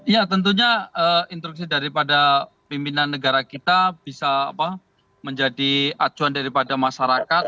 ya tentunya instruksi daripada pimpinan negara kita bisa menjadi acuan daripada masyarakat